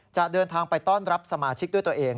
จะเดินทางไปต้อนรับสมาชิกด้วยตัวเอง